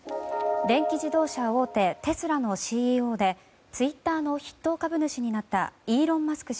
電気自動車大手テスラのＣＥＯでツイッターの筆頭株主になったイーロン・マスク